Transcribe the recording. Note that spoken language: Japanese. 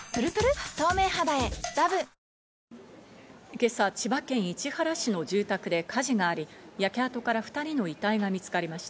今朝、千葉県市原市の住宅で火事があり、焼け跡から２人の遺体が見つかりました。